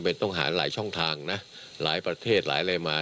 เป็นต้องหาหลายช่องทางนะหลายประเทศหลายอะไรมา